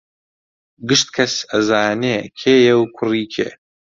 گشت کەس ئەزانێ کێیە و کوڕی کێ